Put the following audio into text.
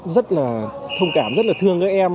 rất là thông cảm rất là thương các em